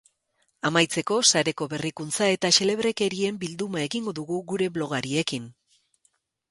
Amaitzeko, sareko berrikuntza eta xelebrekerien bilduma egingo dugu gure blogariekin.